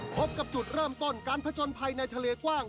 พบกับจุดเริ่มต้นการผจญภัยในทะเลกว้าง